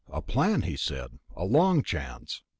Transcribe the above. A plan, he said. A long chance.